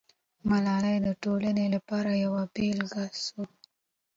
ملالۍ د ټولنې لپاره یوه بېلګه سوه.